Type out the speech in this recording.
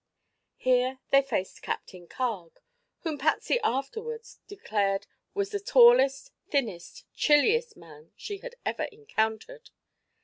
Here they faced Captain Carg, whom Patsy afterward declared was the tallest, thinnest, chilliest man she had ever encountered.